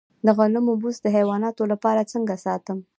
د غنمو بوس د حیواناتو لپاره څنګه ساتم؟